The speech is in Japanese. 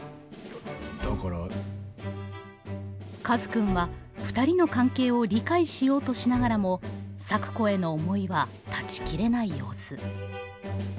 カズくんはふたりの関係を理解しようとしながらも咲子への思いは断ち切れない様子。